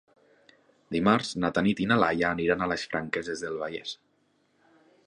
Dimarts na Tanit i na Laia aniran a les Franqueses del Vallès.